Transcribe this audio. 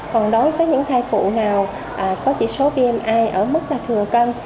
còn đối với những thai phụ nào có chỉ số bmi ở mức thừa cân